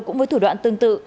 cũng với thủ đoạn tương tự